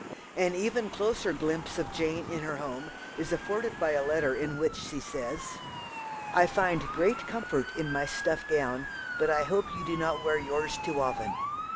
An even closer glimpse of Jane in her home is afforded by a letter in which she says "I find great comfort in my stuff gown, but I hope you do not wear yours too often.